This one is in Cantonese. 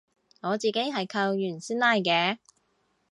我自己係扣完先拉嘅